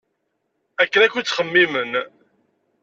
Akken akk i ttxemmimen.